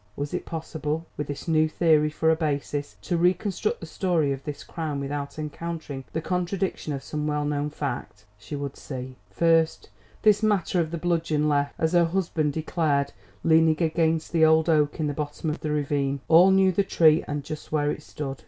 Was it possible, with this new theory for a basis, to reconstruct the story of this crime without encountering the contradiction of some well known fact? She would see. First, this matter of the bludgeon left, as her husband declared, leaning against the old oak in the bottom of the ravine. All knew the tree and just where it stood.